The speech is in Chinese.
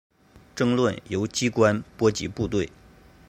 争论由机关波及部队。